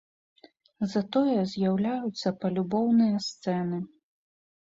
Затое з'яўляюцца палюбоўныя сцэны.